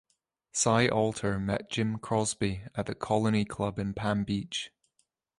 Sy Alter met Jim Crosby at the Colony Club in Palm Beach.